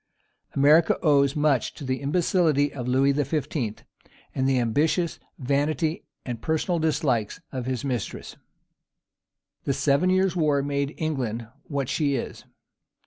America owes much to the imbecility of Louis XV. and the ambitious vanity and personal dislikes of his mistress. The Seven Years War made England what she is.